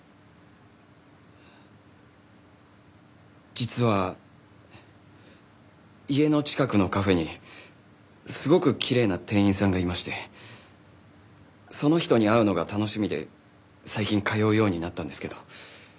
実は家の近くのカフェにすごくきれいな店員さんがいましてその人に会うのが楽しみで最近通うようになったんですけど。